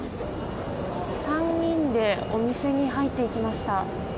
３人でお店に入っていきました。